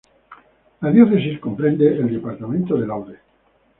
La diócesis comprende el departamento del Aude.